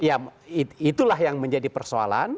ya itulah yang menjadi persoalan